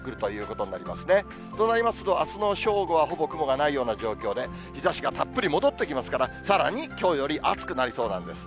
となりますと、あすの正午は、ほぼ雲がないような状況で、日ざしがたっぷり戻ってきますから、さらにきょうより暑くなりそうなんです。